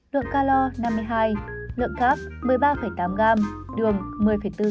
lượng calor năm mươi hai lượng cáp một mươi ba tám g đường một mươi bốn g